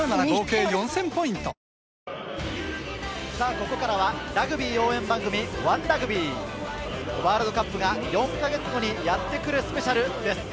ここからはラグビー応援番組『ＯＮＥラグビー』。ワールドカップが４か月後にやってくるスペシャルです。